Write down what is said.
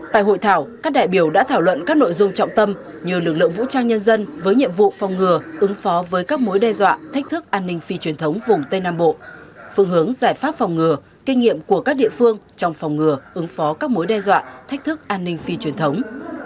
tại hội thảo các đại biểu đã thảo luận các nội dung trọng tâm như lực lượng vũ trang nhân dân với nhiệm vụ phòng ngừa ứng phó với các mối đe dọa thách thức an ninh phi truyền thống vùng tây nam bộ phương hướng giải pháp phòng ngừa kinh nghiệm của các địa phương trong phòng ngừa ứng phó các mối đe dọa thách thức an ninh phi truyền thống